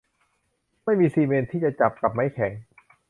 ไม่มีซีเมนต์ที่จะจับกับไม้แข็ง